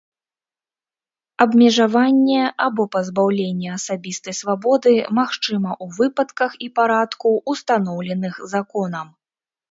Абмежаванне або пазбаўленне асабістай свабоды магчыма ў выпадках і парадку, устаноўленых законам.